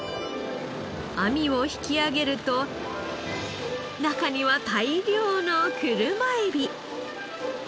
網を引き揚げると中には大量の車エビ。